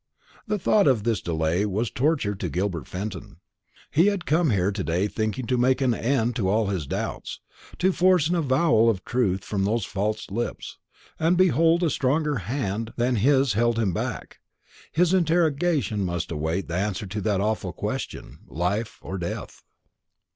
The thought of this delay was torture to Gilbert Fenton. He had come here to day thinking to make an end of all his doubts, to force an avowal of the truth from those false lips. And behold, a hand stronger than his held him back. His interrogation must await the answer to that awful question life or death.